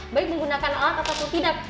baik menggunakan alat ataupun tidak